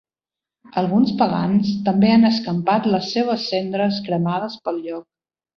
Alguns pagans també han escampat les seves cendres cremades pel lloc.